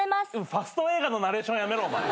ファスト映画のナレーションやめろお前。